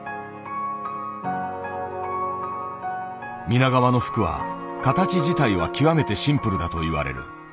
皆川の服は形自体は極めてシンプルだと言われる。